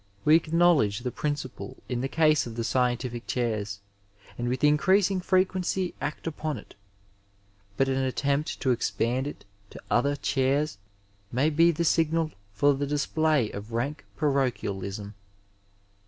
We acknowledge the principle in the case of the scientific chairs, and witii increasing frequency act upon it, but an attempt to ex pand it to other chairs may be the signal for the disfday of rank parochialism.